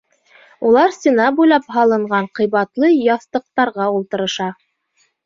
Улар стена буйлап һалынған ҡыйбатлы яҫтыҡтарға ултырыша.